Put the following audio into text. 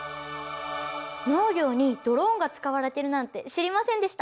農業にドローンが使われてるなんて知りませんでした。